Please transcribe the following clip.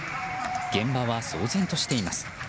現場は騒然としています。